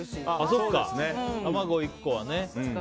そうか、卵１個はね。